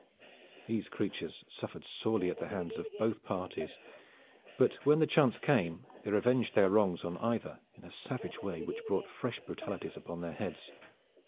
These creatures suffered sorely at the hands of both parties, but when the chance came they revenged their wrongs on either in a savage way which brought fresh brutalities upon their heads.